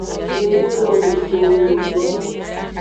Ng de lon do towo nyo ji o.